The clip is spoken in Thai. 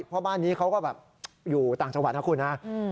เพราะบ้านนี้เขาก็แบบอยู่ต่างจังหวัดนะคุณนะ